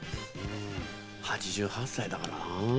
８８歳だからな。